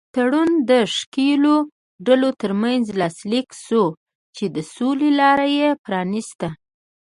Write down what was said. تړون د ښکېلو ډلو تر منځ لاسلیک شوه چې د سولې لاره یې پرانیسته.